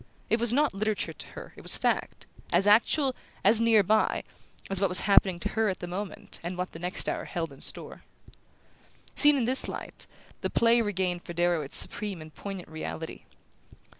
It was not literature to her, it was fact: as actual, as near by, as what was happening to her at the moment and what the next hour held in store. Seen in this light, the play regained for Darrow its supreme and poignant reality.